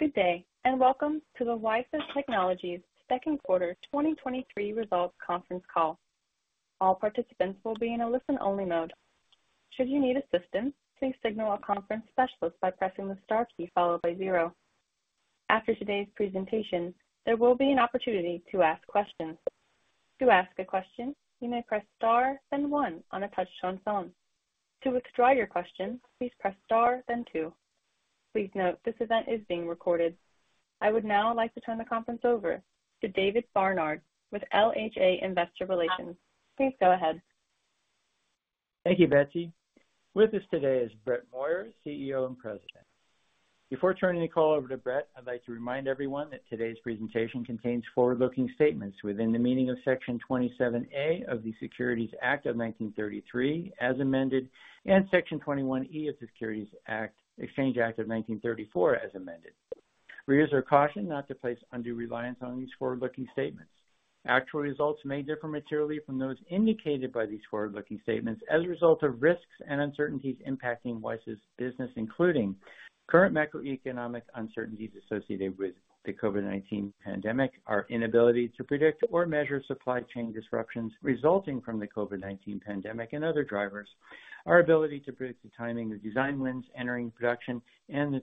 Good day, and welcome to the WiSA Technologies Second Quarter 2023 Results Conference Call. All participants will be in a listen-only mode. Should you need assistance, please signal a conference specialist by pressing the star key followed by zero After today's presentation, there will be an opportunity to ask questions. To ask a question, you may press star then 1 on a touch-tone phone. To withdraw your question, please press star then two. Please note, this event is being recorded. I would now like to turn the conference over to David Barnard with LHA Investor Relations. Please go ahead. Thank you, Betsy. With us today is Brett Moyer, CEO and President. Before turning the call over to Brett, I'd like to remind everyone that today's presentation contains forward-looking statements within the meaning of Section 27A of the Securities Act of 1933, as amended, and Section 21E of the Securities Exchange Act of 1934, as amended. Readers are cautioned not to place undue reliance on these forward-looking statements. Actual results may differ materially from those indicated by these forward-looking statements as a result of risks and uncertainties impacting WiSA's business, including current macroeconomic uncertainties associated with the COVID-19 pandemic, our inability to predict or measure supply chain disruptions resulting from the COVID-19 pandemic and other drivers, our ability to predict the timing of design wins entering production, and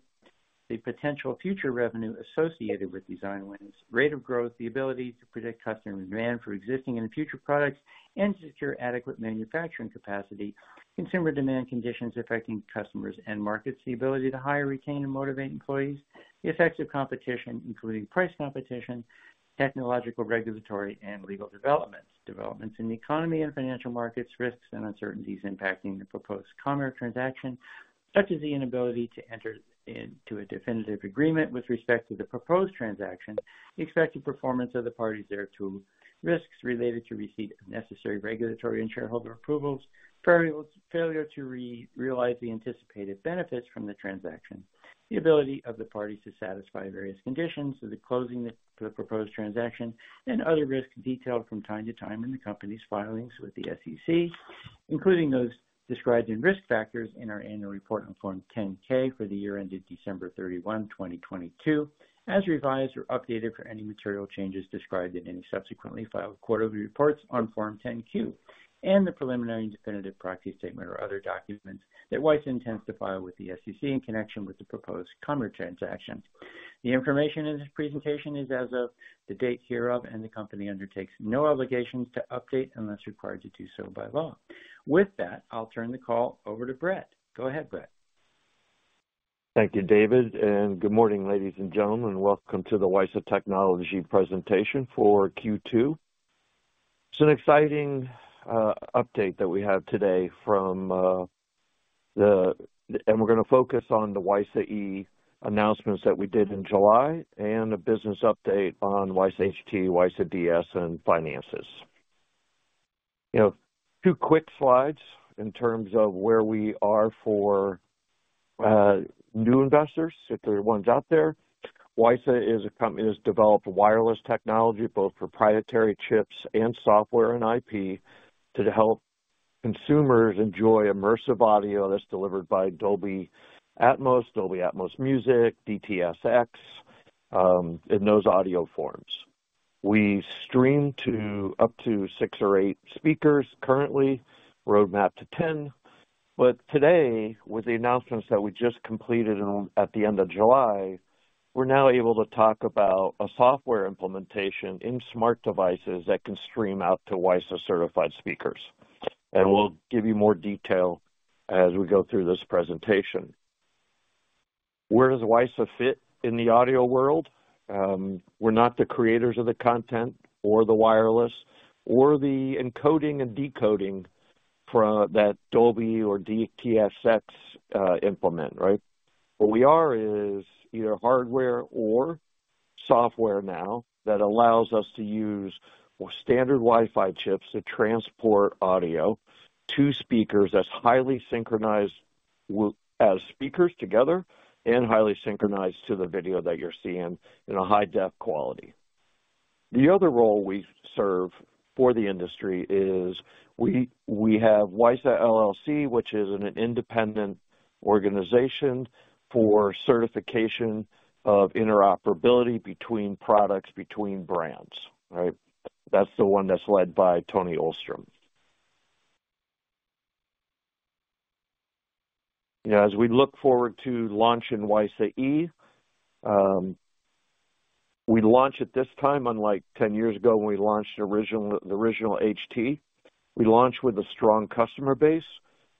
the potential future revenue associated with design wins, rate of growth, the ability to predict customer demand for existing and future products, and to secure adequate manufacturing capacity, consumer demand conditions affecting customers and markets, the ability to hire, retain, and motivate employees, the effects of competition, including price competition, technological, regulatory, and legal developments. Developments in the economy and financial markets, risks and uncertainties impacting the proposed Comhear transaction, such as the inability to enter into a definitive agreement with respect to the proposed transaction, the expected performance of the parties thereto, risks related to receipt of necessary regulatory and shareholder approvals, failure to realize the anticipated benefits from the transaction, the ability of the parties to satisfy various conditions of the closing the proposed transaction, and other risks detailed from time to time in the company's filings with the SEC, including those described in risk factors in our Annual Report on Form 10-K for the year ended December 31, 2022, as revised or updated for any material changes described in any subsequently filed quarterly reports on Form 10-Q and the preliminary definitive proxy statement or other documents that WiSA intends to file with the SEC in connection with the proposed Comhear transaction. The information in this presentation is as of the date hereof, and the company undertakes no obligations to update unless required to do so by law. With that, I'll turn the call over to Brett. Go ahead, Brett. Thank you, David. Good morning, ladies and gentlemen. Welcome to the WiSA Technologies presentation for Q2. It's an exciting update that we have today. We're going to focus on the WiSA E announcements that we did in July and a business update on WiSA HT, WiSA DS, and finances. You know, two quick slides in terms of where we are for new investors, if there are ones out there. WiSA Technologies is a company that's developed wireless technology, both proprietary chips and software and IP, to help consumers enjoy immersive audio that's delivered by Dolby Atmos, Dolby Atmos Music, DTS:X in those audio forms. We stream to up to six or eight speakers currently, roadmap to 10. Today, with the announcements that we just completed on, at the end of July, we're now able to talk about a software implementation in smart devices that can stream out to WiSA Certified speakers, and we'll give you more detail as we go through this presentation. Where does WiSA fit in the audio world? We're not the creators of the content or the wireless or the encoding and decoding that Dolby or DTS:X implement, right? What we are is either hardware or software now that allows us to use standard Wi-Fi chips to transport audio to speakers that's highly synchronized as speakers together and highly synchronized to the video that you're seeing in a hi-def quality. The other role we serve for the industry is we, we have WiSA LLC, which is an independent organization for certification of interoperability between products, between brands, right? That's the one that's led by Tony Ostrom. You know, as we look forward to launching WiSA E, we launch at this time, unlike 10 years ago when we launched the original, the original WiSA HT. We launch with a strong customer base,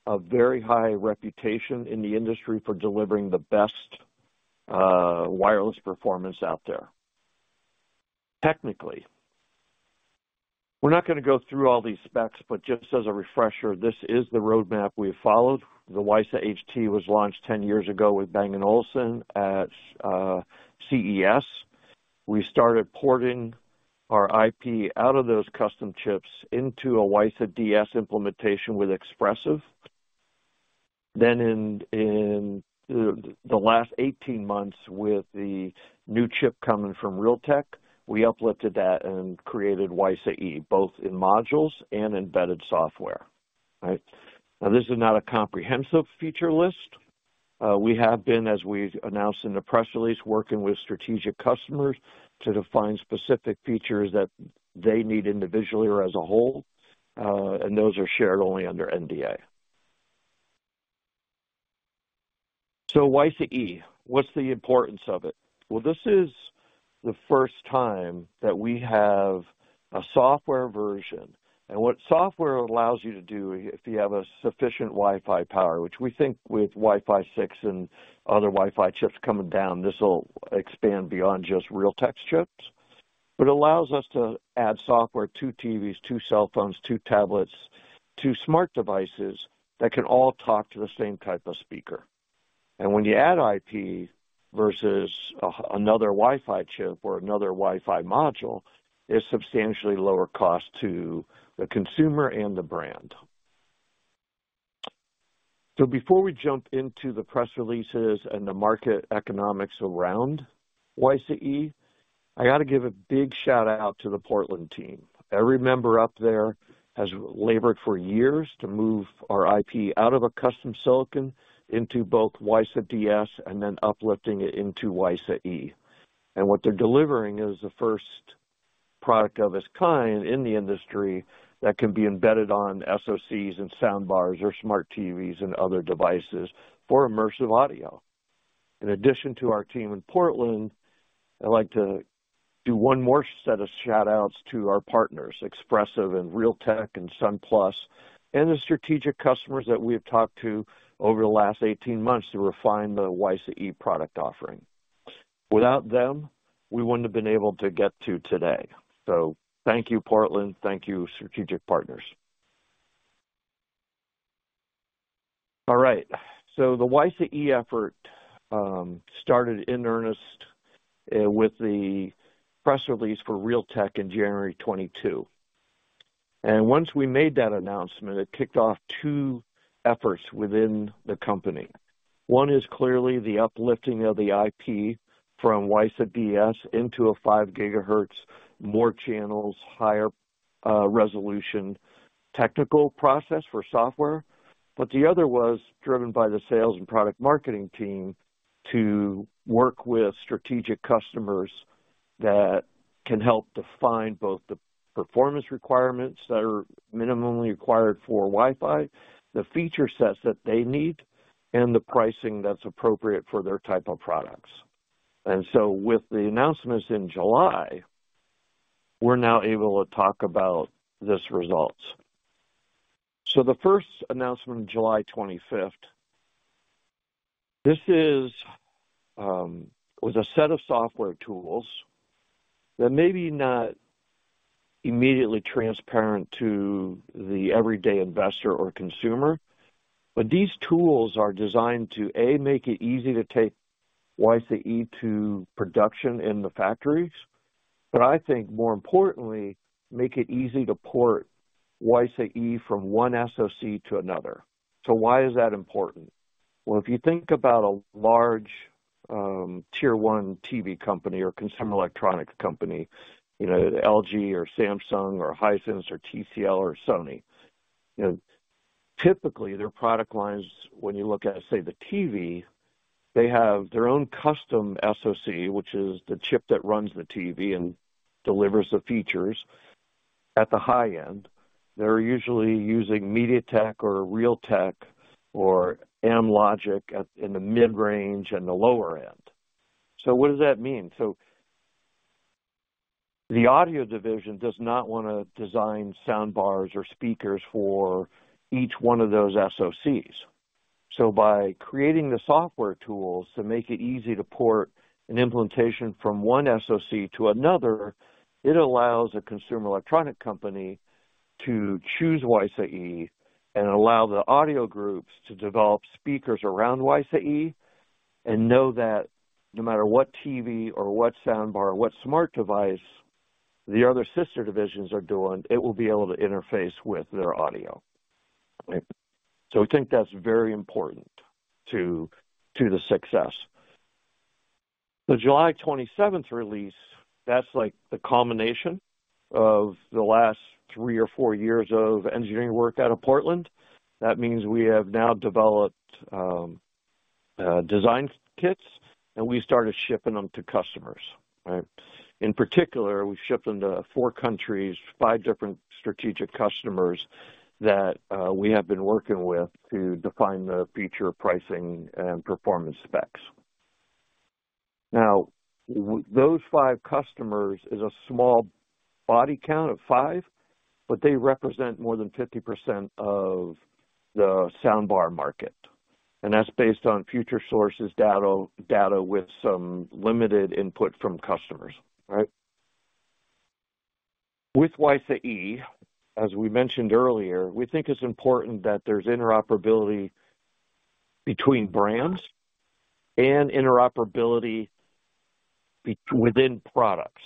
a very high reputation in the industry for delivering the best wireless performance out there. Technically, we're not gonna go through all these specs, but just as a refresher, this is the roadmap we've followed. The WiSA HT was launched 10 years ago with Bang & Olufsen at CES. We started porting our IP out of those custom chips into a WiSA DS implementation with Espressif. In the last 18 months, with the new chip coming from Realtek, we uplifted that and created WiSA E, both in modules and embedded software. Right? Now, this is not a comprehensive feature list. We have been, as we've announced in the press release, working with strategic customers to define specific features that they need individually or as a whole. Those are shared only under NDA. WiSA E, what's the importance of it? Well, this is the first time that we have a software version. What software allows you to do, if you have a sufficient Wi-Fi power, which we think with Wi-Fi 6 and other Wi-Fi chips coming down, this will expand beyond just Realtek's chips. It allows us to add software to TVs, to cell phones, to tablets, to smart devices that can all talk to the same type of speaker. When you add IP versus another Wi-Fi chip or another Wi-Fi module, it's substantially lower cost to the consumer and the brand. Before we jump into the press releases and the market economics around WiSA E, I got to give a big shout-out to the Portland team. Every member up there has labored for years to move our IP out of a custom silicon into both WiSA DS and then uplifting it into WiSA E. What they're delivering is the first product of its kind in the industry that can be embedded on SoCs and sound bars or smart TVs and other devices for immersive audio. In addition to our team in Portland, I'd like to do one more set of shout-outs to our partners, Espressif and Realtek and Sunplus, and the strategic customers that we have talked to over the last 18 months to refine the WiSA E product offering. Without them, we wouldn't have been able to get to today. Thank you, Portland. Thank you, strategic partners. All right, the WiSA E effort started in earnest with the press release for Realtek in January 2022. Once we made that announcement, it kicked off two efforts within the company. One is clearly the uplifting of the IP from WiSA DS into a five GHz, more channels, higher resolution, technical process for software. The other was driven by the sales and product marketing team to work with strategic customers that can help define both the performance requirements that are minimally required for Wi-Fi, the feature sets that they need, and the pricing that's appropriate for their type of products. With the announcements in July, we're now able to talk about this results. The first announcement on July 25th, this is, was a set of software tools that may be not immediately transparent to the everyday investor or consumer, but these tools are designed to, A, make it easy to take WiSA E to production in the factories, but I think more importantly, make it easy to port WiSA E from one SoC to another. Why is that important? Well, if you think about a large, Tier 1 TV company or consumer electronic company, you know, LG or Samsung or Hisense or TCL or Sony, you know, typically their product lines, when you look at, say, the TV, they have their own custom SoC, which is the chip that runs the TV and delivers the features. At the high end, they're usually using MediaTek or Realtek or Amlogic at, in the mid-range and the lower end. What does that mean? The audio division does not want to design sound bars or speakers for each one of those SoCs. By creating the software tools to make it easy to port an implementation from one SoC to another, it allows a consumer electronic company to choose WiSA E and allow the audio groups to develop speakers around WiSA E and know that no matter what TV or what sound bar or what smart device the other sister divisions are doing, it will be able to interface with their audio. Right? We think that's very important to, to the success. The July 27th release, that's like the culmination of the last three or four years of engineering work out of Portland. That means we have now developed design kits, and we started shipping them to customers, right? In particular, we've shipped them to four countries, five different strategic customers that we have been working with to define the feature, pricing, and performance specs. Now, those fivecustomers is a small body count of five, but they represent more than 50% of the soundbar market, and that's based on Futuresource data with some limited input from customers, right? With WiSA E, as we mentioned earlier, we think it's important that there's interoperability between brands and interoperability within products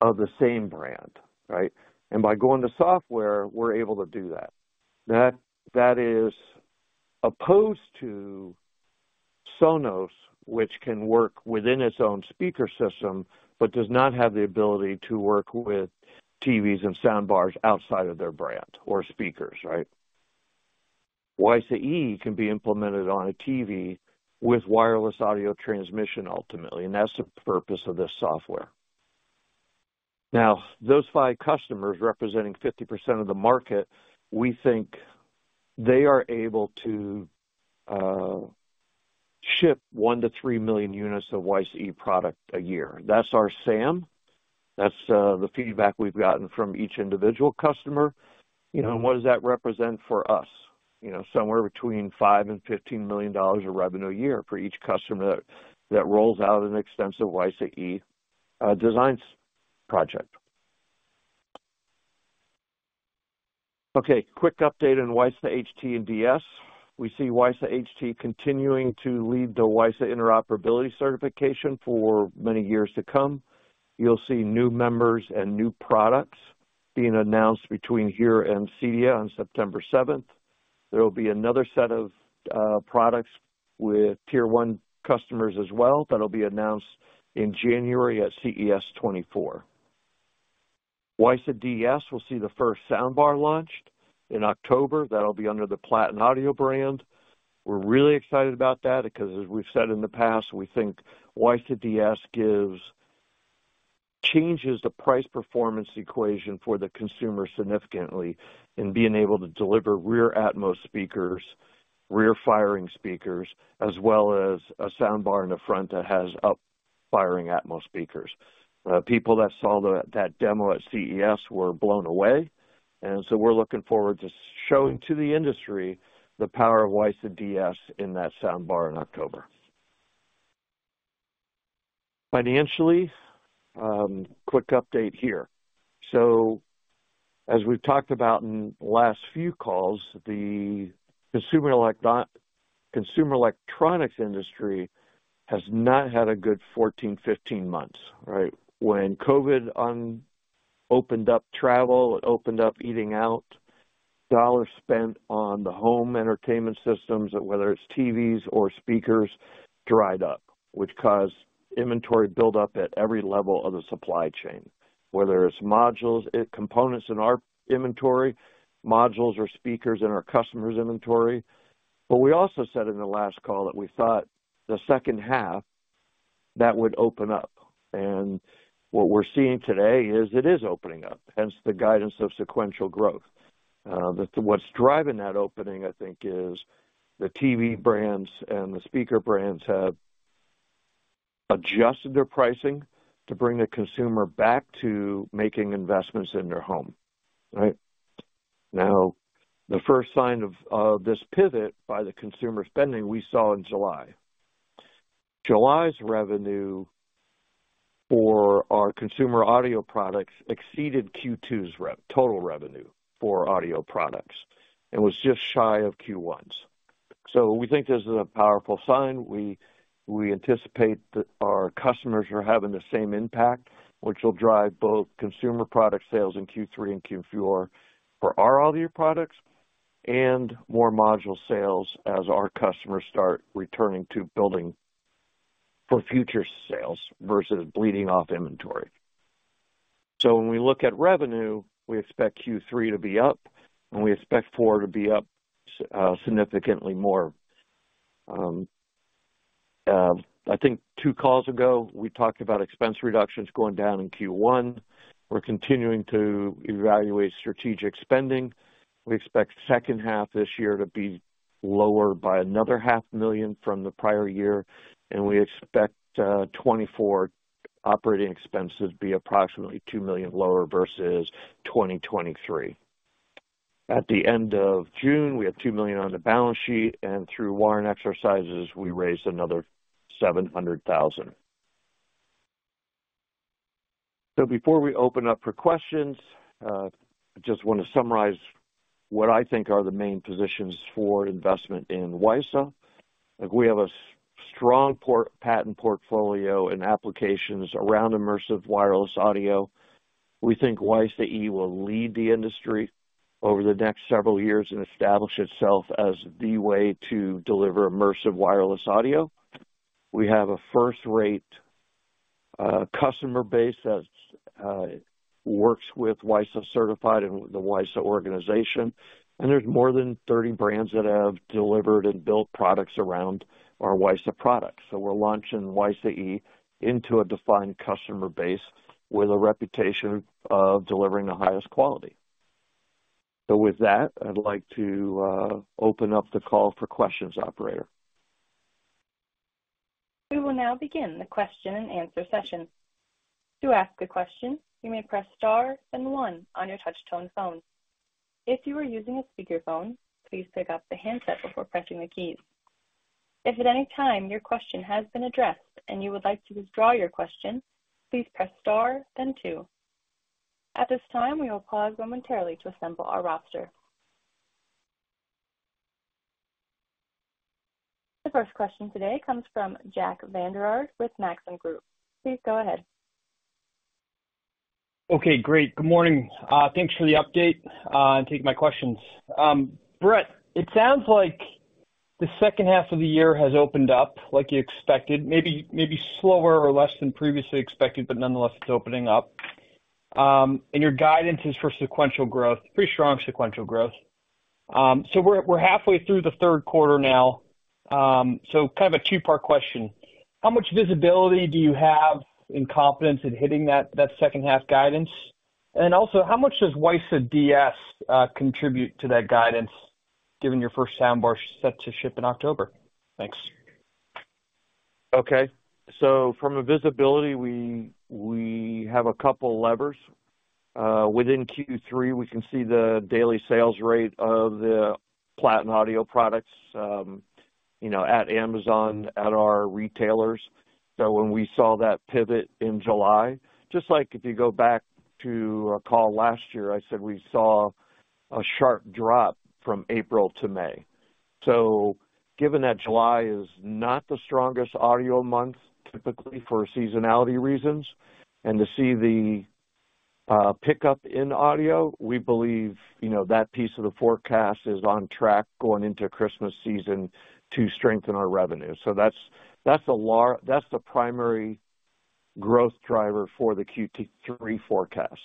of the same brand, right? By going to software, we're able to do that. That is opposed to Sonos, which can work within its own speaker system, but does not have the ability to work with TVs and soundbars outside of their brand or speakers, right? WiSA E can be implemented on a TV with wireless audio transmission ultimately, and that's the purpose of this software. Now, those five customers, representing 50% of the market, we think they are able to ship 1 million-3 million units of WiSA E product a year. That's our SAM. That's the feedback we've gotten from each individual customer. You know, what does that represent for us? You know, somewhere between $5 million and $15 million of revenue a year for each customer that, that rolls out an extensive WiSA E designs project. Okay, quick update on WiSA HT and DS. We see WiSA HT continuing to lead the WiSA interoperability certification for many years to come. You'll see new members and new products being announced between here and CEDIA on September 7th. There will be another set of products with Tier 1 customers as well. That'll be announced in January at CES 2024. WiSA DS will see the first soundbar launched in October. That'll be under the Platin Audio brand. We're really excited about that because, as we've said in the past, we think WiSA DS gives... changes the price performance equation for the consumer significantly in being able to deliver rear Atmos speakers, rear firing speakers, as well as a soundbar in the front that has up firing Atmos speakers. People that saw the demo at CES were blown away. We're looking forward to showing to the industry the power of WiSA DS in that soundbar in October. Financially, quick update here. As we've talked about in the last few calls, the consumer electronics industry has not had a good 14, 15 months, right? When COVID opened up travel, it opened up eating out, dollars spent on the home entertainment systems, whether it's TVs or speakers, dried up, which caused inventory buildup at every level of the supply chain, whether it's modules, components in our inventory, modules or speakers in our customers' inventory. We also said in the last call that we thought the second half, that would open up. What we're seeing today is it is opening up, hence the guidance of sequential growth. What's driving that opening, I think, is the TV brands and the speaker brands have adjusted their pricing to bring the consumer back to making investments in their home, right? The first sign of, of this pivot by the consumer spending we saw in July. July's revenue for our consumer audio products exceeded Q2's total revenue for audio products and was just shy of Q1's. We think this is a powerful sign. We, we anticipate that our customers are having the same impact, which will drive both consumer product sales in Q3 and Q4 for our audio products and more module sales as our customers start returning to building for future sales versus bleeding off inventory. When we look at revenue, we expect Q3 to be up, and we expect four to be up significantly more. I think two calls ago, we talked about expense reductions going down in Q1. We're continuing to evaluate strategic spending. We expect second half this year to be lower by another $500,000 from the prior year. We expect 2024 operating expenses to be approximately $2 million lower versus 2023. At the end of June, we had $2 million on the balance sheet. Through warrant exercises, we raised another $700,000. Before we open up for questions, I just want to summarize what I think are the main positions for investment in WiSA. Like, we have a strong patent portfolio and applications around immersive wireless audio. We think WiSA E will lead the industry over the next several years and establish itself as the way to deliver immersive wireless audio. We have a first-rate customer base that's works with WiSA Certified and the WiSA organization. There's more than 30 brands that have delivered and built products around our WiSA products. We're launching WiSA E into a defined customer base with a reputation of delivering the highest quality. With that, I'd like to open up the call for questions, operator. We will now begin the question-and-answer session. To ask a question, you may press star then one on your touch tone phone. If you are using a speakerphone, please pick up the handset before pressing the keys. If at any time your question has been addressed and you would like to withdraw your question, please press star then two. At this time, we will pause momentarily to assemble our roster. The first question today comes from Jack Vander Aarde with Maxim Group. Please go ahead. Okay, great. Good morning. Thanks for the update and taking my questions. Brett, it sounds like the second half of the year has opened up like you expected, maybe, maybe slower or less than previously expected, but nonetheless, it's opening up. Your guidance is for sequential growth, pretty strong sequential growth. We're halfway through the third quarter now. Kind of a two-part question: How much visibility do you have in confidence in hitting that second-half guidance? And also, how much does WiSA DS contribute to that guidance, given your first soundbar set to ship in October? Thanks. Okay. From a visibility, we, we have a couple levers. Within Q3, we can see the daily sales rate of the Platin Audio products, you know, at Amazon, at our retailers. When we saw that pivot in July, just like if you go back to our call last year, I said we saw a sharp drop from April to May. Given that July is not the strongest audio month, typically for seasonality reasons, and to see the pickup in audio, we believe, you know, that piece of the forecast is on track going into Christmas season to strengthen our revenue. That's, that's a That's the primary growth driver for the Q3 forecast.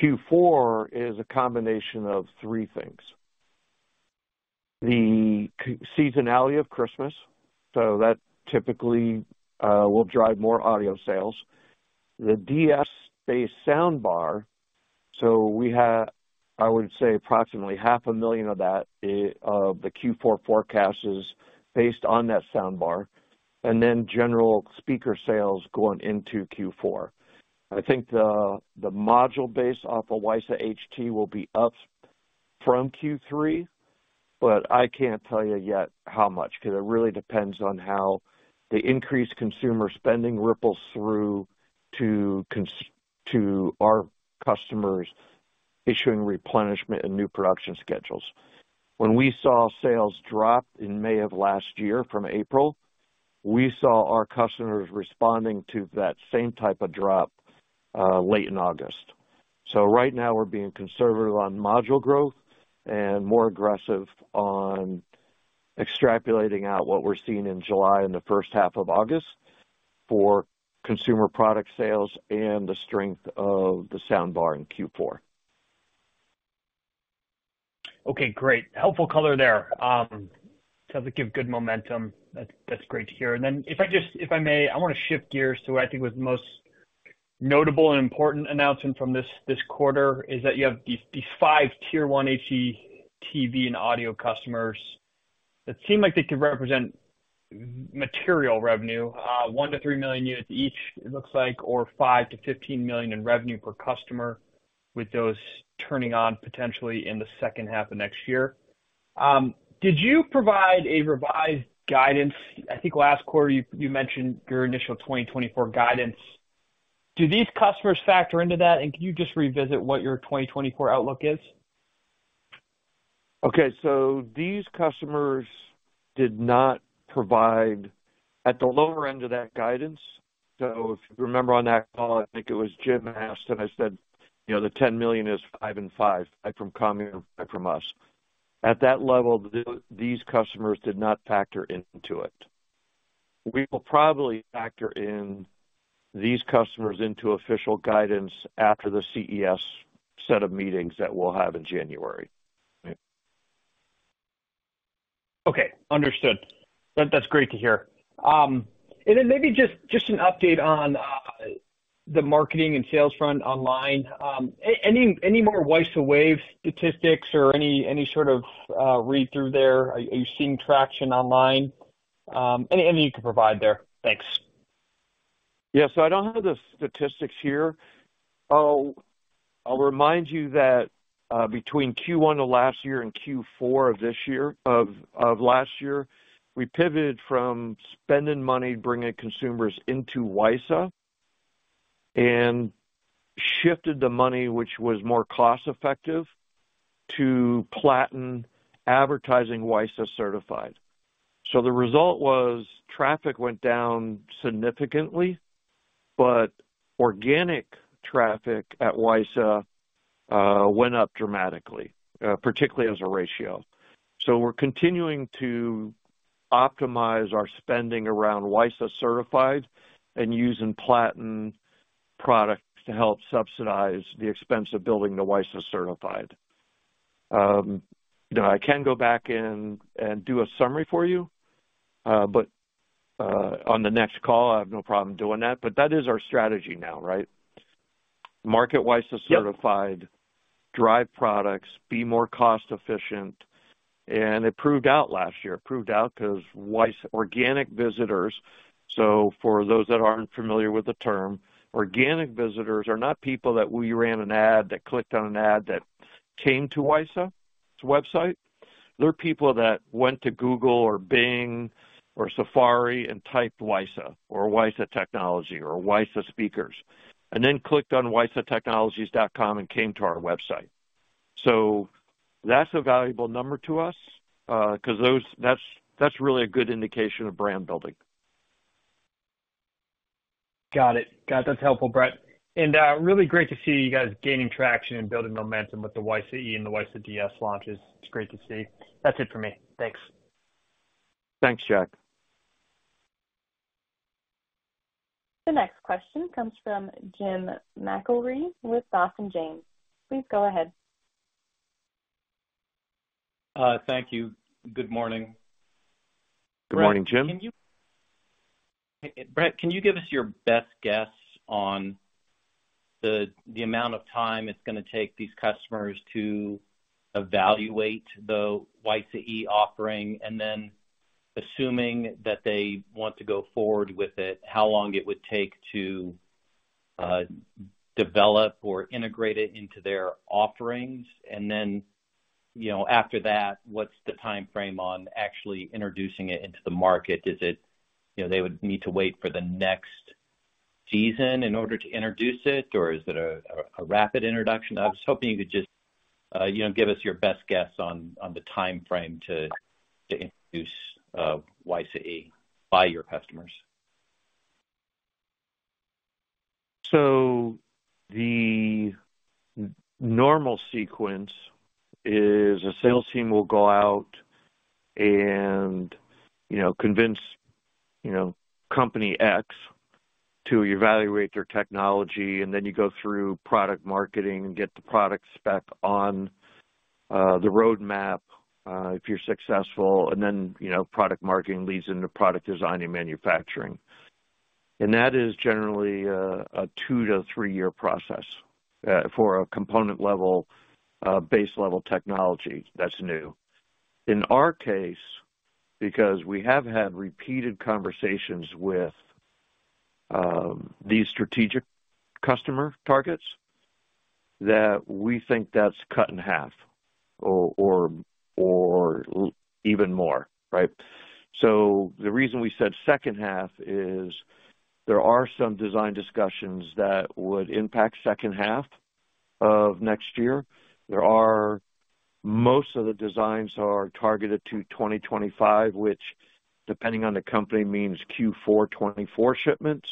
Q4 is a combination of 3 things: the seasonality of Christmas, so that typically will drive more audio sales. The DS-based soundbar, so we have, I would say, approximately $500,000 of that. The Q4 forecast is based on that soundbar, and then general speaker sales going into Q4. I think the module base off of WiSA HT will be up from Q3, but I can't tell you yet how much, because it really depends on how the increased consumer spending ripples through to our customers issuing replenishment and new production schedules. When we saw sales drop in May of last year from April, we saw our customers responding to that same type of drop late in August. Right now we're being conservative on module growth and more aggressive on extrapolating out what we're seeing in July and the first half of August for consumer product sales and the strength of the soundbar in Q4. Okay, great. Helpful color there. That give good momentum. That's, that's great to hear. Then if I may, I want to shift gears to what I think was the most notable and important announcement from this, this quarter, is that you have these, these five Tier 1 HDTV and audio customers, that seem like they could represent material revenue, 1 million-3 million units each, it looks like, or $5 million-$15 million in revenue per customer, with those turning on potentially in the second half of next year. Did you provide a revised guidance? I think last quarter you, you mentioned your initial 2024 guidance. Do these customers factor into that? Can you just revisit what your 2024 outlook is? These customers did not provide at the lower end of that guidance. If you remember on that call, I think it was Jim asked, and I said, "You know, the $10 million is 5 and 5, 5 from Comhear and five from us." At that level, these customers did not factor into it. We will probably factor in these customers into official guidance after the CES set of meetings that we'll have in January. Okay, understood. Brett, that's great to hear. Then maybe just, just an update on the marketing and sales front online. Any, any more WiSA Wave statistics or any, any sort of read-through there? Are you seeing traction online? Any, anything you can provide there. Thanks. Yeah. I don't have the statistics here. I'll, I'll remind you that between Q1 of last year and Q4 of last year, we pivoted from spending money bringing consumers into WiSA, and shifted the money, which was more cost-effective, to Platin advertising WiSA Certified. The result was traffic went down significantly, but organic traffic at WiSA went up dramatically, particularly as a ratio. We're continuing to optimize our spending around WiSA Certified and using Platin products to help subsidize the expense of building the WiSA Certified. Now, I can go back in and do a summary for you, but on the next call, I have no problem doing that. That is our strategy now, right? Market WiSA Certified- Yep. drive products, be more cost efficient. It proved out last year. It proved out because WiSA organic visitors... For those that aren't familiar with the term, organic visitors are not people that we ran an ad, that clicked on an ad, that came to WiSA's website. They're people that went to Google or Bing or Safari and typed WiSA or WiSA Technologies or WiSA Speakers, and then clicked on wisatechnologies.com and came to our website. That's a valuable number to us because those... That's, that's really a good indication of brand building. Got it. Got it. That's helpful, Brett, and really great to see you guys gaining traction and building momentum with the WiSA E and the WiSA DS launches. It's great to see. That's it for me. Thanks. Thanks, Jack. The next question comes from Jim McIIree with Dawson James. Please go ahead. Thank you. Good morning. Good morning, Jim. Brett, can you-- Brett, can you give us your best guess on the, the amount of time it's gonna take these customers to evaluate the WiSA E offering, and then assuming that they want to go forward with it, how long it would take to develop or integrate it into their offerings? Then, you know, after that, what's the timeframe on actually introducing it into the market? Is it, you know, they would need to wait for the next season in order to introduce it, or is it a, a rapid introduction? I was hoping you could just, you know, give us your best guess on, on the timeframe to introdu WiSA E by your customers. The normal sequence is a sales team will go out and, you know, convince, you know, Company X to evaluate their technology, and then you go through product marketing and get the product spec on the roadmap, if you're successful, and then, you know, product marketing leads into product design and manufacturing. That is generally a two to three-year process for a component level, base level technology that's new. In our case, because we have had repeated conversations with these strategic customer targets, that we think that's cut in half or, or, or even more, right? The reason we said second half is there are some design discussions that would impact second half of next year. There are... Most of the designs are targeted to 2025, which, depending on the company, means Q4 2024 shipments.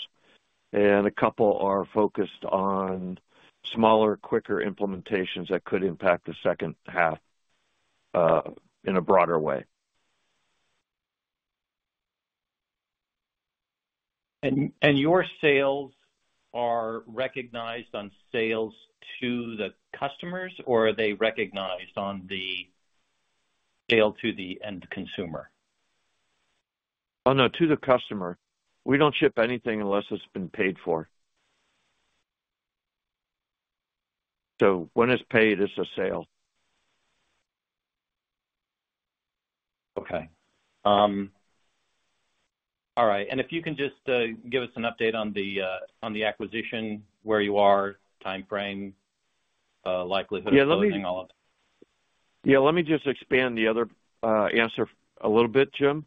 A couple are focused on smaller, quicker implementations that could impact the second half in a broader way. Your sales are recognized on sales to the customers, or are they recognized on the sale to the end consumer? Oh, no, to the customer. We don't ship anything unless it's been paid for. When it's paid, it's a sale. Okay. All right. If you can just, give us an update on the acquisition, where you are, timeframe, likelihood of closing, all of it. Yeah, let me just expand the other answer a little bit, Jim.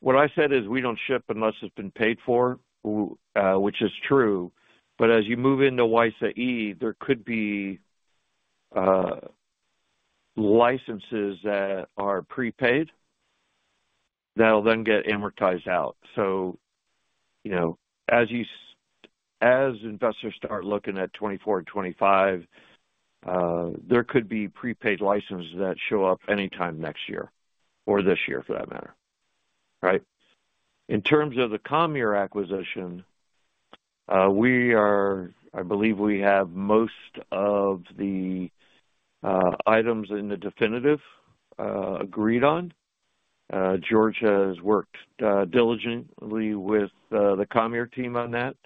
What I said is we don't ship unless it's been paid for, which is true, but as you move into WiSA E, there could be licenses that are prepaid that'll then get amortized out. You know, as investors start looking at 24 and 25, there could be prepaid licenses that show up anytime next year or this year for that matter, right? In terms of the Comhear acquisition, I believe we have most of the items in the definitive agreed on. George has worked diligently with the Comhear team on that,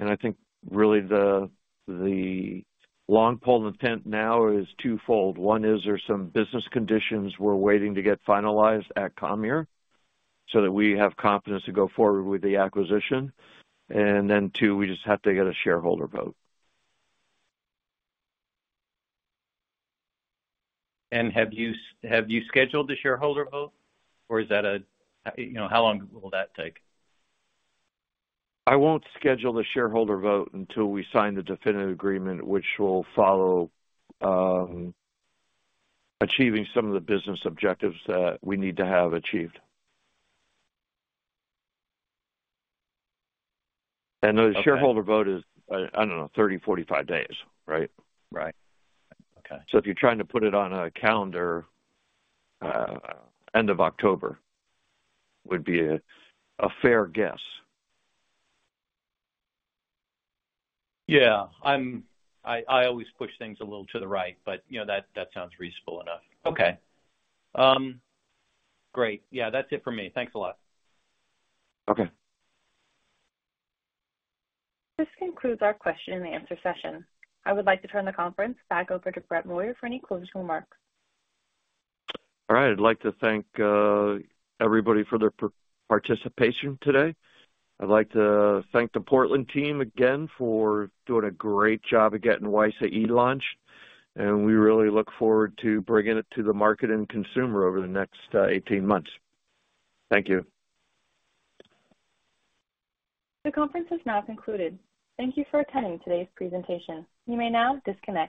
I think really the, the long pole in the tent now is twofold. One is there's some business conditions we're waiting to get finalized at Comhear, so that we have confidence to go forward with the acquisition. Two, we just have to get a shareholder vote. Have you scheduled the shareholder vote, or is that a, you know, how long will that take? I won't schedule the shareholder vote until we sign the definitive agreement, which will follow achieving some of the business objectives that we need to have achieved. The shareholder vote is, I don't know, 30, 45 days, right? Right. Okay. If you're trying to put it on a calendar, end of October would be a, a fair guess. Yeah, I, I always push things a little to the right, but, you know, that, that sounds reasonable enough. Okay. Great. Yeah, that's it for me. Thanks a lot. Okay. This concludes our question and answer session. I would like to turn the conference back over to Brett Moyer for any closing remarks. All right. I'd like to thank everybody for their participation today. I'd like to thank the Portland team again for doing a great job of getting WiSA E launched, and we really look forward to bringing it to the market and consumer over the next 18 months. Thank you. The conference is now concluded. Thank you for attending today's presentation. You may now disconnect.